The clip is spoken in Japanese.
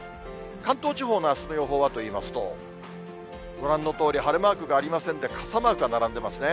関東地方のあすの予報はといいますと、ご覧のとおり、晴れマークがありませんで、傘マークが並んでますね。